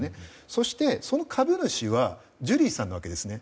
そして、その株主はジュリーさんなわけですね。